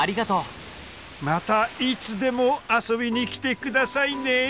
またいつでも遊びに来て下さいね。